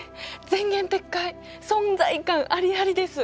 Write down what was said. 前言撤回存在感ありありです！